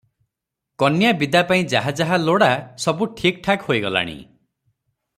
କନ୍ୟା ବିଦା ପାଇଁ ଯାହା ଯାହା ଲୋଡ଼ା, ସବୁ ଠିକ୍ ଠାକ୍ ହୋଇଗଲାଣି ।